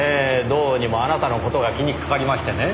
どうにもあなたの事が気にかかりましてね。